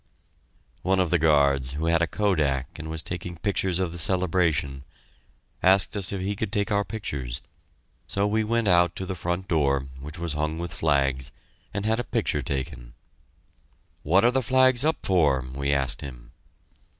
One of the guards, who had a kodak and was taking pictures of the celebration, asked us if he could take our pictures. So we went out to the front door, which was hung with flags, and had a picture taken. "What are the flags up for?" we asked him.